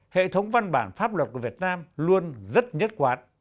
hệ thống văn bản pháp luật của việt nam luôn rất nhất quán